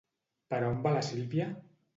Per on va la Sílvia?